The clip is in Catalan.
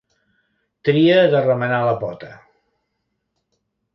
Tria de remenar la pota.